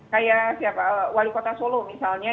kayak wali kota solo misalnya